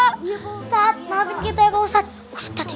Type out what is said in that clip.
ustad maafin kita ya pak ustad